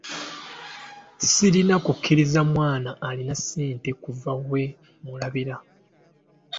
Sirina kukkiriza mwana alina ssente kuva we mmulabira.